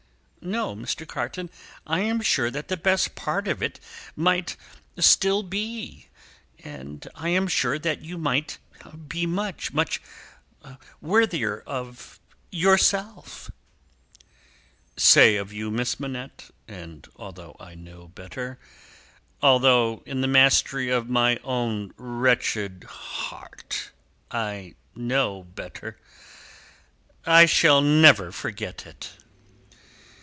"No, Mr. Carton. I am sure that the best part of it might still be; I am sure that you might be much, much worthier of yourself." "Say of you, Miss Manette, and although I know better although in the mystery of my own wretched heart I know better I shall never forget it!"